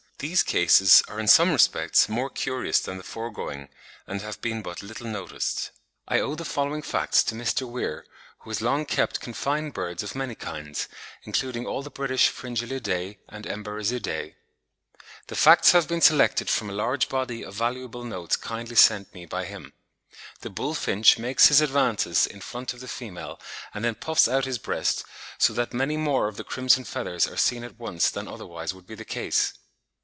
These cases are in some respects more curious than the foregoing, and have been but little noticed. I owe the following facts to Mr. Weir, who has long kept confined birds of many kinds, including all the British Fringillidae and Emberizidae. The facts have been selected from a large body of valuable notes kindly sent me by him. The bullfinch makes his advances in front of the female, and then puffs out his breast, so that many more of the crimson feathers are seen at once than otherwise would be the case.